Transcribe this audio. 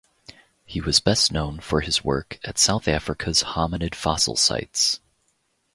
He was best known for his work at South Africa's hominid fossil sites.